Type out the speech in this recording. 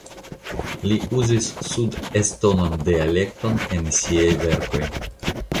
Li uzis sudestonan dialekton en siaj verkoj.